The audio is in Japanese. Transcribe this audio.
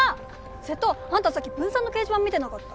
瀬戸あんたさっき文３の掲示板見てなかった？